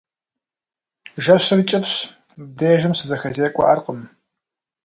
Жэщыр кӏыфӏщ, мыбдежым щызэхэзекӏуэӏаркъым.